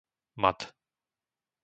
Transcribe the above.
Mad